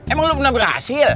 emang lu pernah berhasil